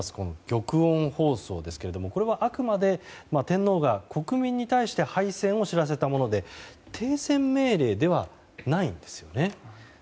玉音放送ですがこれはあくまで天皇が国民に対して敗戦を知らせたもので停戦命令ではないんですよね。